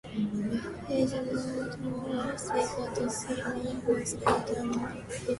It is noteworthy that sibling support and rivalry between triathletes occur frequently.